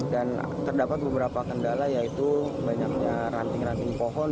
dan terdapat beberapa kendala yaitu banyaknya ranting ranting pohon